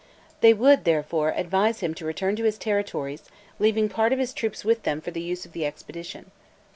They would, therefore, advise him to return to his territories, leaving part of his troops with them for the use of the expedition.